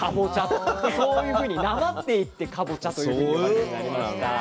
そういうふうになまっていってかぼちゃというふうに呼ばれるようになりました。